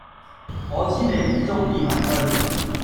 我知你唔中意埋堆！